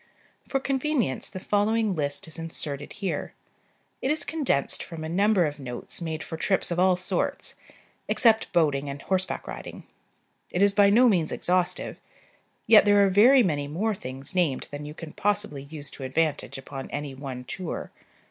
For convenience the following list is inserted here. It is condensed from a number of notes made for trips of all sorts, except boating and horseback riding. It is by no means exhaustive, yet there are very many more things named than you can possibly use to advantage upon any one tour.